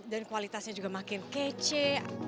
dan kualitasnya juga makin kece